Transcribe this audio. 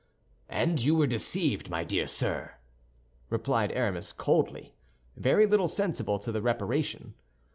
"And you were deceived, my dear sir," replied Aramis, coldly, very little sensible to the reparation.